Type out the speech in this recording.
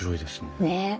ねえ。